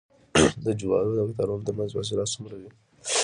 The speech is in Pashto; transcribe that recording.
د جوارو د قطارونو ترمنځ فاصله څومره وي؟